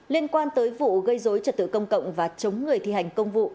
liên quan tới vụ gây dối trật tự công cộng và chống người thi hành công vụ